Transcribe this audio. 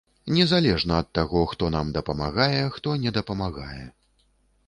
Незалежна ад таго, хто нам дапамагае, хто не дапамагае.